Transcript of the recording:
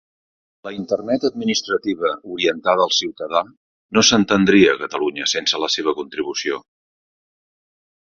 La Internet administrativa orientada al ciutadà no s'entendria a Catalunya sense la seva contribució.